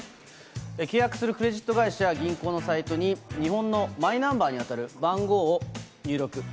契約するクレジット会社や銀行のサイトに、日本のマイナンバーに当たる番号を入力。